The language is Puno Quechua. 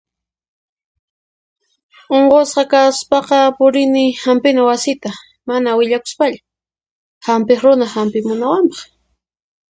Unqusqa kaspaqa purini Hanpina Wasita mana willakuspalla, Hampiq runa hampimunawanpaq.